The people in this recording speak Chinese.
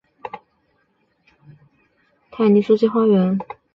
现在泰尼斯基花园作为克里姆林宫的一部分被列入世界文化遗产。